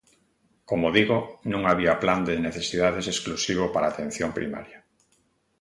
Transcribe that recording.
Como digo, non había plan de necesidades exclusivo para a atención primaria.